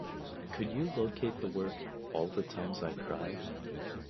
Could you locate the work, All the Times I Cried?